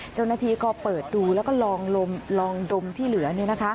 เจ้าหน้าที่ก็เปิดดูแล้วก็ลองดมที่เหลือ